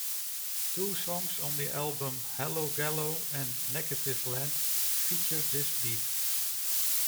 Two songs on the album, "Hallogallo" and "Negativland", feature this beat.